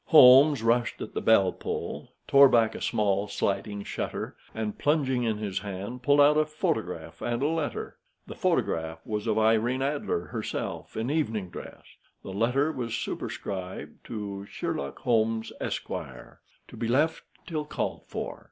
Holmes rushed at the bell pull, tore back a small sliding shutter, and plunging in his hand, pulled out a photograph and a letter. The photograph was of Irene Adler herself in evening dress; the letter was superscribed to "Sherlock Holmes, Esq. To be left till called for."